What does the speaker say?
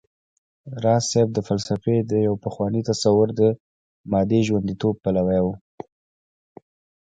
راز صيب د فلسفې د يو پخواني تصور د مادې ژونديتوب پلوی و